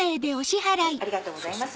ありがとうございます。